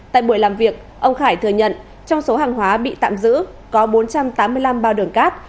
tại buổi làm việc ông khải thừa nhận trong số hàng hóa bị tạm giữ có bốn trăm tám mươi năm bao đường cát